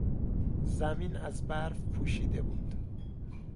زمین از برف پوشیده بود.